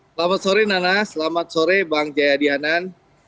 selamat sore nana selamat sore bang jayadi hanan